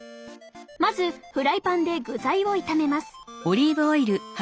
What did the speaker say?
まずフライパンで具材を炒めます。